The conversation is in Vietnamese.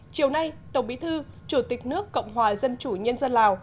chiều nay tổng bí thư chủ tịch nước cộng hòa dân chủ nhân dân lào